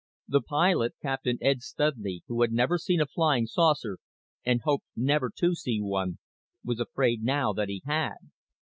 The pilot, Captain Eric Studley, who had never seen a flying saucer and hoped never to see one, was afraid now that he had.